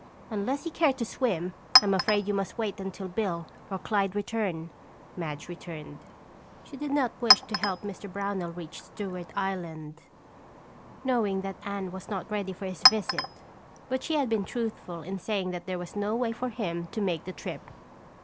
"Unless you care to swim I'm afraid you must wait until Bill or Clyde return," Madge returned. She did not wish to help Mr. Brownell reach Stewart Island, knowing that Anne was not ready for his visit, but she had been truthful in saying that there was no way for him to make the trip.